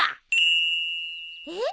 えっ！